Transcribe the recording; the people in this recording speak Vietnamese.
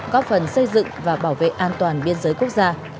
góp phần xây dựng và bảo vệ an toàn biên giới quốc gia